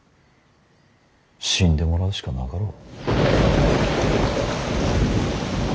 死んでもらうしかなかろう。